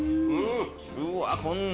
うわこんな。